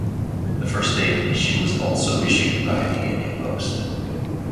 The First day of issue was also issued by the India Post.